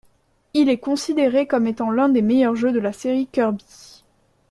Il est est considéré comme étant l'un des meilleurs jeu de la série Kirby.